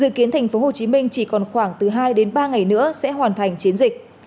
dự kiến thành phố hồ chí minh chỉ còn khoảng từ hai đến ba ngày nữa sẽ hoàn thành chiến dịch